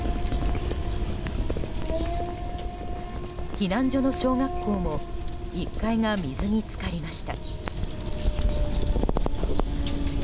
避難所の小学校も１階が水に浸かりました。